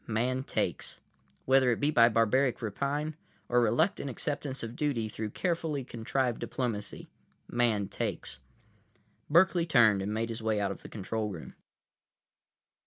Man takes. Whether it be by barbaric rapine, or reluctant acceptance of duty through carefully contrived diplomacy, Man takes. Berkeley turned and made his way out of the control room.